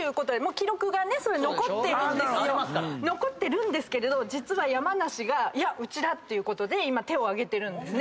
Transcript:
残ってるんですけれど実は山梨がうちだっていうことで今手を挙げてるんですね。